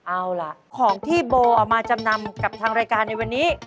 เอาล่ะของที่โบเอามาจำนำกับทางรายการในวันนี้